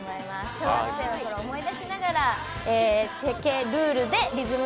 小学生のころを思い出しながらチェケルールでリズム